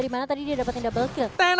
dimana tadi dia dapetin double kill